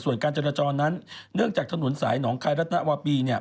ส่วนการจรจรนั้นเนื่องจากถนนสายหนองคายรัตนวาปีเนี่ย